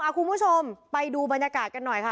คุณผู้ชมไปดูบรรยากาศกันหน่อยค่ะ